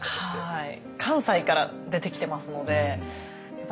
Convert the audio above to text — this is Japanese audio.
はい。